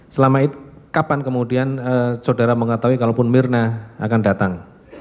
selama itu kapan kemudian saudara mengetahui kalaupun mirna akan datang